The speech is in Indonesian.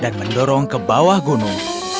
dan mendorong ke bawah gunung